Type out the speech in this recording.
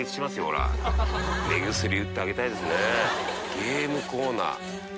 「ゲームコーナー」◆